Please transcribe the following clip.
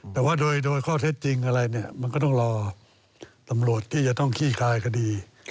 แต่ว่าโดยข้อเท็จจริงอะไรเนี่ยมันก็ต้องรอตำรวจที่จะต้องขี้คายคดี